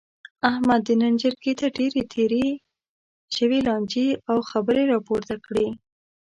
احمد د نن جرګې ته ډېرې تېرې شوې لانجې او خبرې را پورته کړلې.